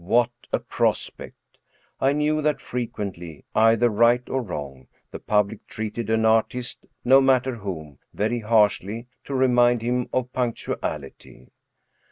What a prospect ! I knew that frequently, either right or wrong, 216 ilf • Robert'Houdin the public treated an artiste, no matter whom, very harshly, to remind him of punctuality.